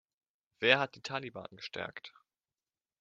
Wer hat die Taliban gestärkt?